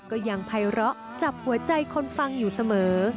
ก็ยังภัยร้อจับหัวใจคนฟังอยู่เสมอ